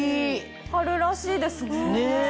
春らしいですね。ねぇ。